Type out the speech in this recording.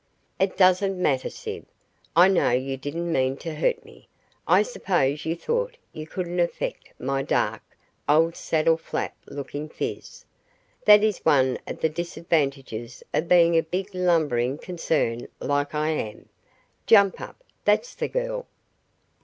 "It doesn't matter, Syb. I know you didn't mean to hurt me. I suppose you thought you couldn't affect my dark, old, saddle flap looking phiz. That is one of the disadvantages of being a big lumbering concern like I am. Jump up. That's the girl."